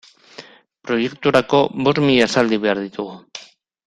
Proiekturako bost mila esaldi behar ditugu.